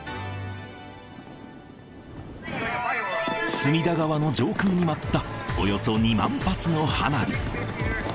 隅田川の上空に舞ったおよそ２万発の花火。